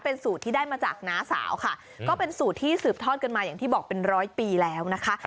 เป็นสูตรที่ได้มาจากน้าสาวค่ะก็เป็นสูตรที่สืบทอดกันมาอย่างที่บอกเป็นร้อยปีแล้วนะคะ